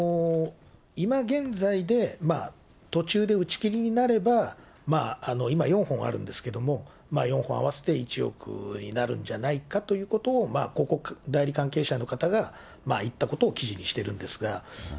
今現在で、途中で打ち切りになれば、まあ、今４本あるんですけれども、４本合わせて１億になるんじゃないかということを、広告代理関係者の方が言ったことを記事にしてるんですが。